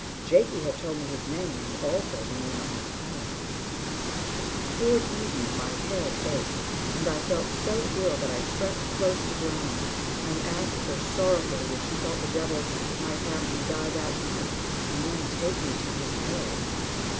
Jakie had told me his name and also the name of his home. Toward evening, my head ached, and I felt so ill that I crept close to grandma and asked sorrowfully if she thought the devil meant to have me die that night, and then take me to his hell.